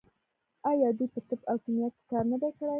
آیا دوی په طب او کیمیا کې کار نه دی کړی؟